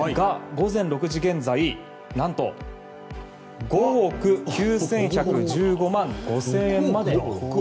午前６時現在、なんと５億９１１５万５０００円まで。